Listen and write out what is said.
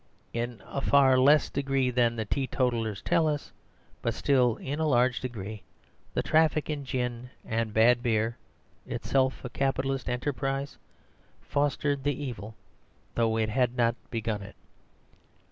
In a far less degree than the teetotallers tell us, but still in a large degree, the traffic in gin and bad beer (itself a capitalist enterprise) fostered the evil, though it had not begun it.